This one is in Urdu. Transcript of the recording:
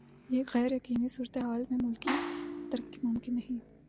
غیر یقینی صورتحال میں ملکی ترقی ممکن نہیں۔